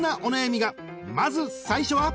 ［まず最初は？］